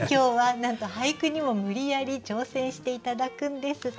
なんと俳句にも無理やり挑戦して頂くんです楽しみです。